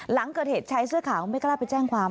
หลังเกิดเหตุชายเสื้อขาวไม่กล้าไปแจ้งความ